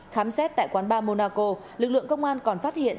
khám xét tại quán ba monaco lực lượng công an còn phát hiện